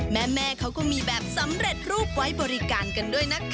แม่เขาก็มีแบบสำเร็จรูปไว้บริการกันด้วยนะคะ